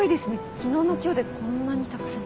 昨日の今日でこんなにたくさん。